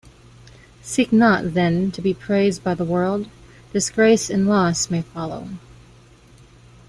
Seek not, then, to be praised by the world: disgrace and loss may follow.